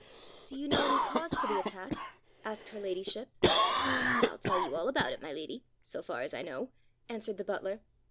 "Do you know any cause for the attack?" asked her ladyship. "I'll tell you all about it, my lady, so far as I know," answered the butler.